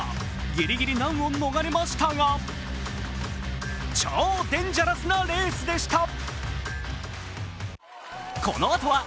ギリギリ難を逃れましたが超デンジャラスなレースでした。